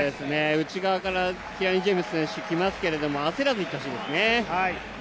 内側からキラニ・ジェームズ選手来ますけれども、焦らずにいってほしいですね。